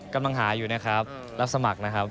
กำลังหาอยู่นะครับรับสมัครนะครับ